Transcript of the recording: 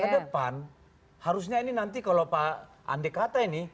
jadi di depan harusnya ini nanti kalau pak andi kata ini